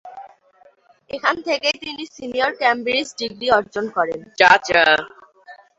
এখান থেকেই তিনি সিনিয়র কেমব্রিজ ডিগ্রি অর্জন করেন।